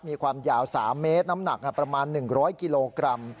มีความยาว๓เมตรน้ำหนักประมาณ๑๐๐กิโลกรัม